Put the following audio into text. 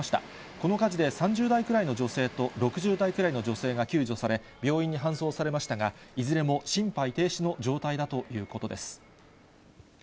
この火事で３０代くらいの女性と、６０代くらいの女性が救助され、病院に搬送されましたが、いずれも心肺停止の状態だということです。